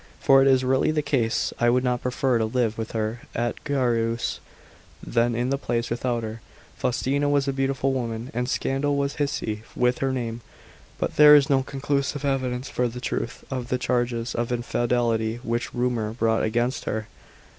For it is really the case. I would prefer to live with her at Gyaros, than in the palace without her." Faustina was a beautiful woman, and scandal was hisy with her name. But there is no conclusive evidence for the truth of the charges of infidelity, which rumour brought against her.